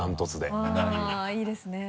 あぁいいですね。